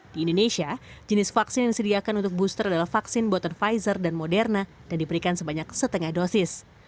di indonesia jenis vaksin yang disediakan untuk booster adalah vaksin buatan pfizer dan moderna dan diberikan sebanyak setengah dosis